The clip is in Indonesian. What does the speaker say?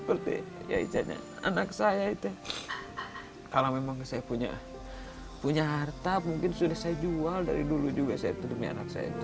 bisa kalau memang saya punya harta mungkin sudah saya jual dari dulu juga saya tuduhi anak saya itu